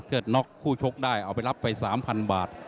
น็อกคู่ชกได้เอาไปรับไป๓๐๐บาท